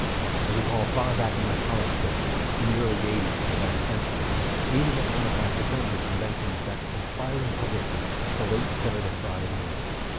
I recall far back in my college days, in the early '80's of the last century, meeting at one of my fraternity conventions that inspiring publicist, the late Senator Frye of Maine.